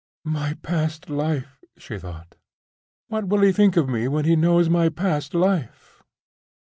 "My past life!" she thought. "What will he think of me when he knows my past life?"